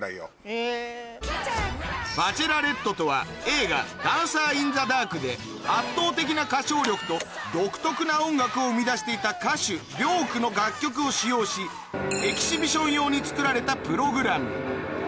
「バチェラレット」とは映画『ダンサー・イン・ザ・ダーク』で圧倒的な歌唱力と独特な音楽を生み出していた歌手ビョークの楽曲を使用しエキシビション用に作られたプログラム